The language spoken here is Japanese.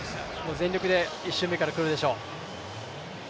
全力で１周目から来るでしょう。